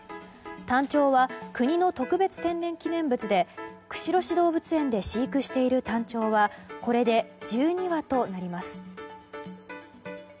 タンチョウは国の特別天然記念物で釧路市動物園で飼育しているタンチョウはこれで１２羽となります。